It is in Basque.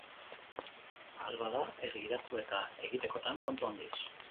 Ahal bada, ez gidatu eta, egitekotan, kontu handiz.